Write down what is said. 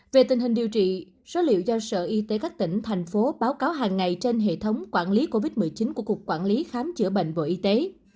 về tình hình điều trị số liệu do sở y tế các tỉnh thành phố báo cáo hàng ngày trên hệ thống quản lý covid một mươi chín của cục quản lý khám chữa bệnh bộ y tế